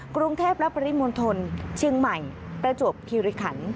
กรุงเทพและปริมณฑลเชียงใหม่ประจวบคิริขัน